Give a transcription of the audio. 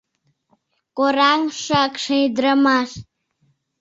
— Кораҥ, шакше ӱдырамаш!